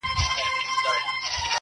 بيا د تورو سترګو و بلا ته مخامخ يمه.